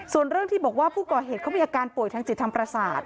ส่วนเรื่องที่บอกว่าผู้ก่อเหตุเขามีอาการป่วยทางจิตทางประสาท